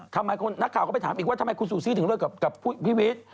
ทำไมคนนักข่าวก็ไปถามอีกว่าทำไมคุณซูซี่ถึงเลิกกับพี่วิทย์